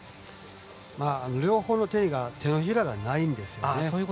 両方の手のひらがないんですね。